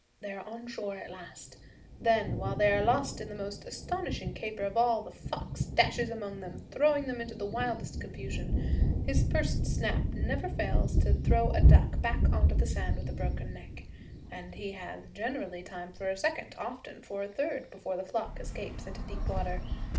They are on shore at last; then, while they are lost in the most astonishing caper of all, the fox dashes among them, throwing them into the wildest confusion. His first snap never fails to throw a duck back onto the sand with a broken neck; and he has generally time for a second, often for a third, before the flock escapes into deep water.